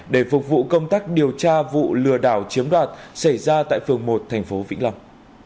để phục vụ công tác điều tra vụ lừa đảo chiếm đoạt xảy ra tại phường một thành phố vĩnh long